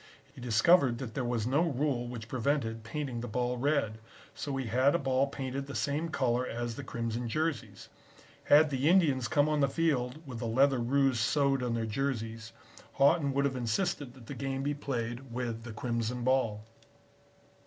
He discovered that there was no rule which prevented painting the ball red, so he had a ball painted the same color as the crimson jerseys. Had the Indians come on the field with the leather ruse sewed on their jerseys, Haughton would have insisted that the game be played with the crimson ball.